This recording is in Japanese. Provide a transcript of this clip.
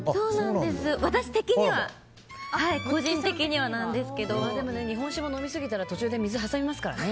私的には、個人的にはですけど。日本酒も飲みすぎたら途中で水挟みますからね。